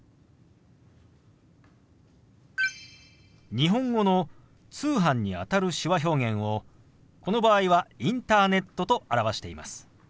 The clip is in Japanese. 日本語の「通販」にあたる手話表現をこの場合は「インターネット」と表しています。